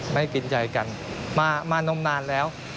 ไม่กินใจกันมานมนานแล้ว